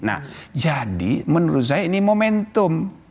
nah jadi menurut saya ini momentum